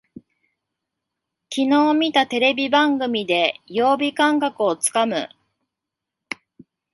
きのう見たテレビ番組で曜日感覚をつかむ